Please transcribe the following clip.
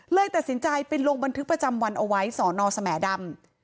เลยตัดสินใจไปลงบันทึกประจำวันเอาไว้สอนอสแหมดำ